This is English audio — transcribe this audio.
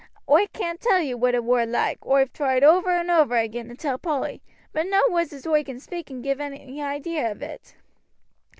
Oi can't tell you what it war loike, oi've tried over and over again to tell Polly, but no words as oi can speak can give any idee of it.